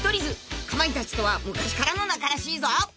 ［かまいたちとは昔からの仲らしいぞ］